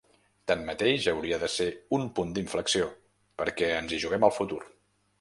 Tanmateix, hauria de ser un punt d’inflexió perquè ens hi juguem el futur.